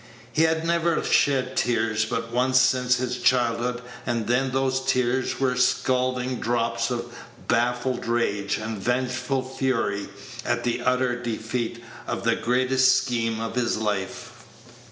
He had never shed tears but once since his childhood, and then those tears were scalding drops of baffled rage and vengeful fury at the utter defeat of the greatest scheme of his life.